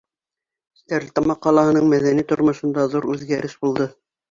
Стәрлетамаҡ ҡалаһының мәҙәни тормошонда ҙур үҙгәреш булды.